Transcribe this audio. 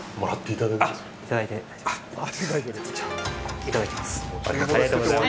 いただきます。